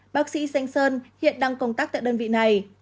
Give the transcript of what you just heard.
bác sĩ sanh sơn hiện đang công tác tại đơn vị này